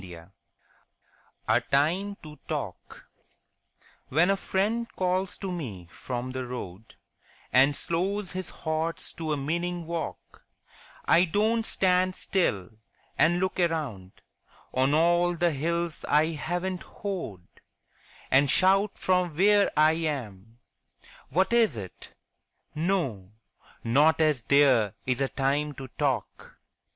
33 A TIME TO TALK When a friend calls to me from the road And slows his horse to a meaning walk, I don't stand still and look around On all the hills I haven't hoed, And shout from where I am, What is it? No, not as there is a time to talk.